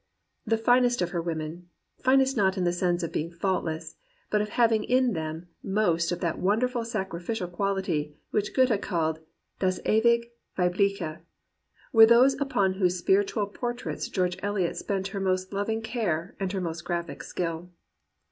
The finest of her women — finest not in the sense of being faultless, but of having in them most of that wonderful sacrificial quaHty which Goethe called das ewig Weibliche — were those upon whose spiritual portraits George Eliot spent her most loving care and her most graphic skill.